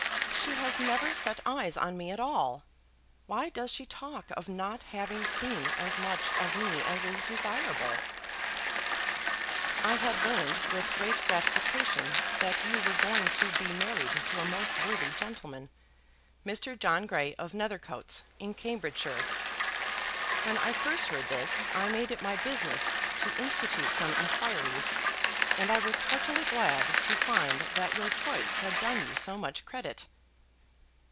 "She has never set eyes on me at all. Why does she talk of not having seen as much of me as is desirable?" I had learned with great gratification that you were going to be married to a most worthy gentleman, Mr. John Grey of Nethercoats, in Cambridgeshire. When I first heard this I made it my business to institute some inquiries, and I was heartily glad to find that your choice had done you so much credit.